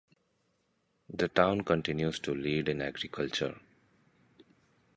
The town continues to lead in agriculture.